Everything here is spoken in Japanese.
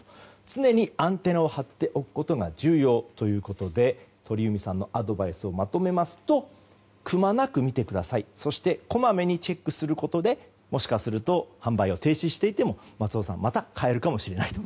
常にアンテナを張っておくことが重要ということで鳥海さんのアドバイスをまとめますとくまなく見てくださいそしてこまめにチェックすることでもしかすると販売を停止していても松尾さんまた買えるかもしれないと。